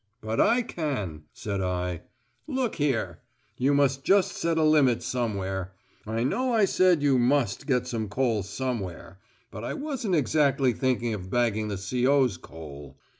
"But I can," said I. "Look here, you must just set a limit somewhere. I know I said you must get some coal, somewhere. But I wasn't exactly thinking of bagging the C.O.'s coal.